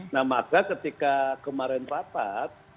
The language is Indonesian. nah maka ketika kemarin rapat